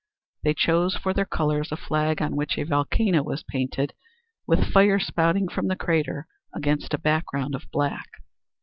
They chose for their colors a flag on which a volcano was painted with fire spouting from the crater against a background of black.